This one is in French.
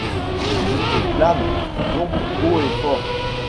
Je le clame donc haut et fort.